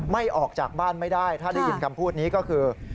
ออกจากบ้านไม่ได้ถ้าได้ยินคำพูดนี้ก็คือ